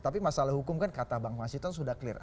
tapi masalah hukum kan kata bang fasito sudah clear